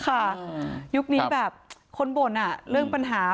ยุคนี้แบบคนบ่นเรื่องปัญหา